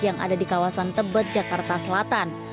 yang ada di kawasan tebet jakarta selatan